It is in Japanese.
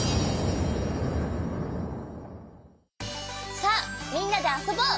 さあみんなであそぼう！